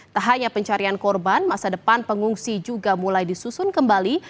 tak hanya pencarian korban masa depan pengungsi juga mulai disusun kembali